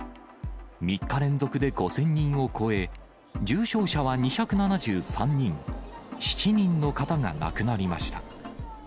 ３日連続で５０００人を超え、重症者は２７３人、７人の方が亡くなりました。